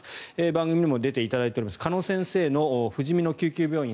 番組にも出ていただいてます鹿野先生のふじみの救急病院